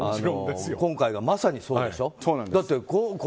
今回がまさにそうでしょ。